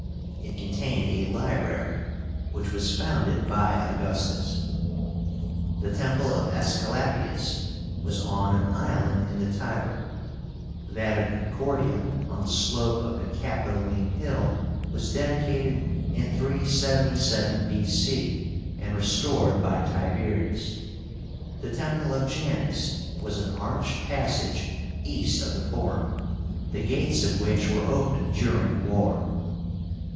It contained a library, which was founded by Augustus. The Temple of Aesculapius was on an island in the Tiber; that of Concordia, on the slope of the Capitoline Hill, was dedicated in 377 B.C., and restored by Tiberius. The Temple of Janus was an arched passage east of the Forum, the gates of which were open during war.